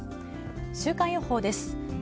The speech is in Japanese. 週間予報です。